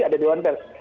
ada dewan ters